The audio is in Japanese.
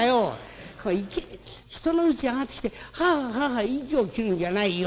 人のうち上がってきてはあはあはあはあ息を切るんじゃないよ。